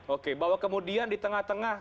oke bahwa kemudian di tengah tengah